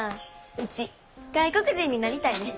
ウチ外国人になりたいねん。